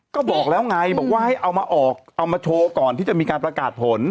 ก็บอกแล้วไงบอกว่าให้เอามาออกเอามาโชว์ก่อนที่จะมีการประกาศผล